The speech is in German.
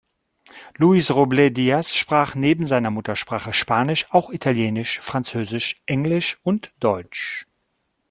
Luis Robles Díaz sprach neben seiner Muttersprache Spanisch auch Italienisch, Französisch, Englisch und Deutsch.